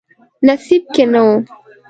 نصیب کې نه و.